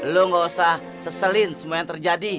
lo gak usah seselin semua yang terjadi